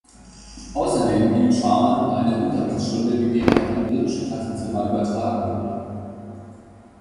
Außerdem hielt Sharman eine Unterrichtsstunde, die direkt in britische Klassenzimmer übertragen wurde.